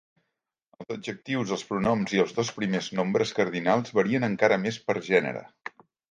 Els adjectius, els pronoms i els dos primers nombres cardinals varien encara més per gènere.